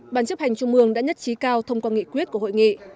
bản chấp hành trung ương đã nhất trí cao thông qua nghị quyết của hội nghị